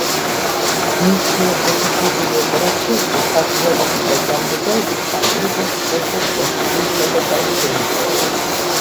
მის მიერ მოფიქრებული ოპერაცია კი, საზრიანობით და გამბედაობით მაყურებელს დღესაც მოხიბლულსა და გაოცებულს ტოვებს.